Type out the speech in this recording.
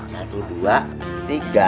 satu dua tiga